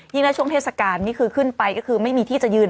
และช่วงเทศกาลนี่คือขึ้นไปก็คือไม่มีที่จะยืน